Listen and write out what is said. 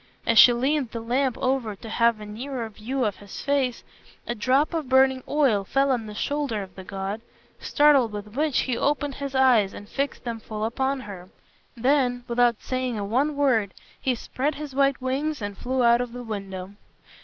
As she leaned the lamp over to have a nearer view of his face a drop of burning oil fell on the shoulder of the god, startled with which he opened his eyes and fixed them full upon her; then, without saying one word, he spread his white wings and flew out of the window.